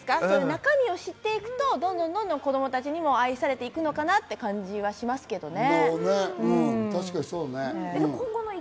中身をしていくと、どんどん子供たちにも愛されていくのかなって感じはしますけどね。